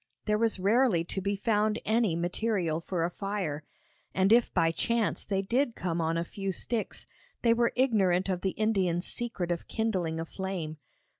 There was rarely to be found any material for a fire, and if by any chance they did come on a few sticks, they were ignorant of the Indians' secret of kindling a flame.